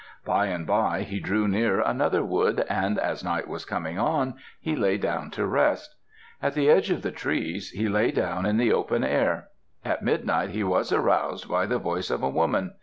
By and by he drew near another wood, and as night was coming on he lay down to rest. At the edge of the trees he lay down in the open air. At midnight he was aroused by the voice of a woman.